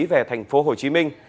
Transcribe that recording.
về thành phố hồ chí minh